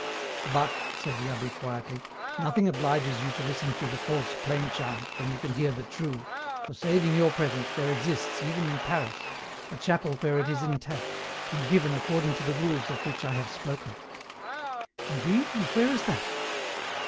" But," said the abh6 quietly, " nothing obliges you to listen to the false plain chant, when you can hear the true, for saving your presence, there exists, even in Paris, a chapel where it is intact, and given according to the rules of which I have spoken." " Indeed, and where is that